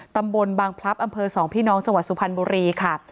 ตำบลบางพลับอำเภอสองพี่น้องจังหวัดสุพรรณบุรีค่ะ